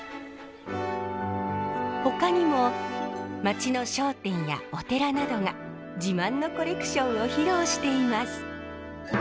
ほかにも町の商店やお寺などが自慢のコレクションを披露しています。